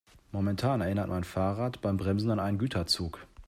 Momentan erinnert mein Fahrrad beim Bremsen an einen Güterzug.